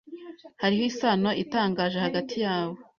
Hariho isano itangaje hagati yabo.